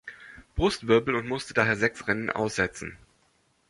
Brustwirbel und musste daher sechs Rennen aussetzten.